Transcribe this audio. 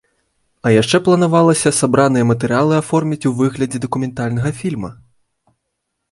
А яшчэ планавалася сабраныя матэрыялы аформіць у выглядзе дакументальнага фільма.